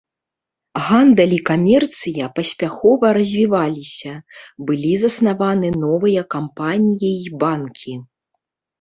Гандаль і камерцыя паспяхова развіваліся, былі заснаваны новыя кампаніі і банкі.